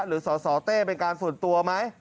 สสเต้เป็นการส่วนตัวไหม